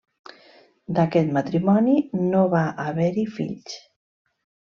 D'aquest matrimoni, no va haver-hi fills.